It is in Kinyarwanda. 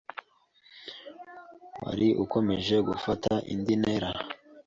wari ukomeje gufata indi ntera,